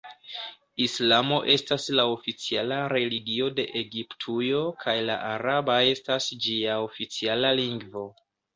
Islamo estas la oficiala religio de Egiptujo kaj la araba estas ĝia oficiala lingvo.